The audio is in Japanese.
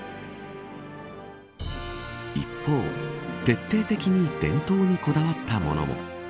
一方、徹底的に伝統にこだわったものも。